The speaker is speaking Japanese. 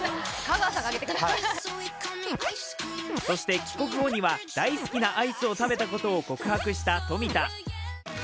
そして帰国後には大好きなアイスを食べたことを告白した冨田。